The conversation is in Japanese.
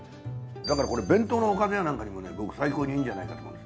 だからこれ弁当のおかずやなんかにもね最高にいいんじゃないかと。